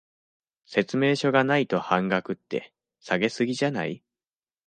説明書がないと半額って、下げ過ぎじゃない？